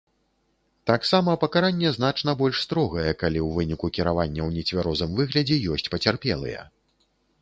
Таксама пакаранне значна больш строгае, калі ў выніку кіравання ў нецвярозым выглядзе ёсць пацярпелыя.